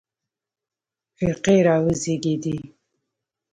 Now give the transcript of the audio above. فرقې راوزېږېدې.